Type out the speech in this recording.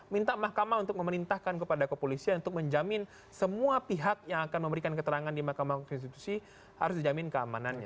minta mahkamah untuk memerintahkan kepada kepolisian untuk menjamin semua pihak yang akan memberikan keterangan di mahkamah konstitusi harus dijamin keamanannya